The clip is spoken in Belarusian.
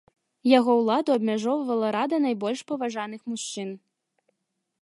Яго ўладу абмяжоўвала рада найбольш паважаных мужчын.